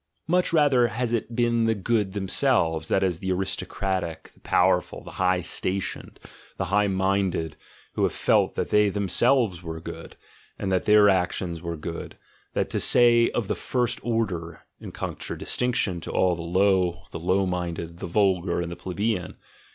Much rather has it been the good them selves, that is, the aristocratic, the powerful, the high lioned, the high minded, who have felt that they them 4 THE GENEALOGY OF MORALS selves were good, and that their actions were good, that* to say of the first order, in contradistinction to all the low, the low minded, the vulgar, and the plebeian.